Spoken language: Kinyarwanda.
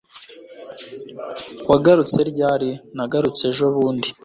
wagarutse ryari? nagarutse ejobundi